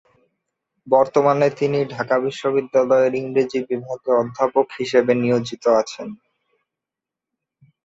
বর্তমানে তিনি ঢাকা বিশ্ববিদ্যালয়ের ইংরেজি বিভাগে অধ্যাপক হিসেবে নিয়োজিত আছেন।